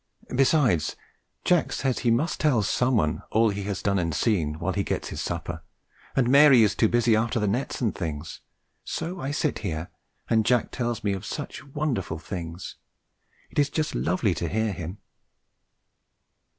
Besides, Jack says he must tell someone all he has done and seen while he gets his supper, and Mary is too busy after the nets and things, so I sit here, and Jack tells me of such wonderful things: it is just lovely to hear him."